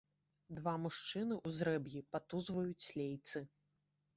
Два мужчыны ў зрэб'і патузваюць лейцы.